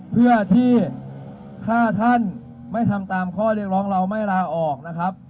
เพื่อที่ถ้าท่านไม่ทำตามข้อเรียกร้องเราไม่ลาออกนะครับ